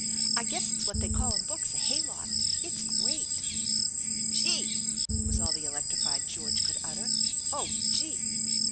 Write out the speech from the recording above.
I guess it's what they call in books a hay loft. If s great." " Gee !" was all the electrified George could utter. " Oh, gee!"